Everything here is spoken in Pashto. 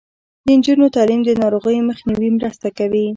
د نجونو تعلیم د ناروغیو مخنیوي مرسته کوي.